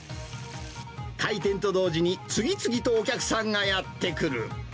開店と同時に、次々とお客さんがやって来る。